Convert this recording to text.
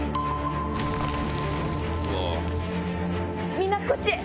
みんなこっちへ！